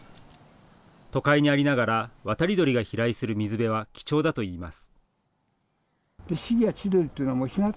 都会にありながら渡り鳥が飛来する水辺は貴重だといいます。